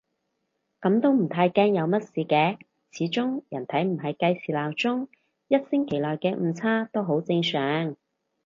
噉都唔太驚有乜事嘅，始終人體唔係計時鬧鐘，一星期內嘅誤差都好正常